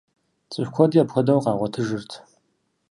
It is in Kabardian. Цӏыху куэди апхуэдэу къагъуэтыжырт.